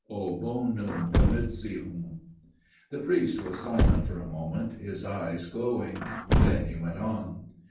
O bonum commercium!" The priest was silent for a moment, his eyes glowing. Then he went on.